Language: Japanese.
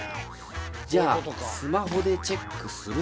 じゃあスマホでチェックすると。